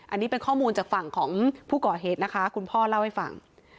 อันนี้เป็นข้อมูลจากฝั่งของผู้ก่อเหตุนะคะคุณพ่อเล่าให้ฟัง